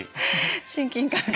親近感が。